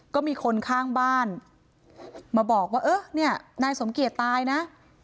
ก็มีคนข้างบ้านมาบอกว่าเออเนี่ยนายสมเกียจตายนะ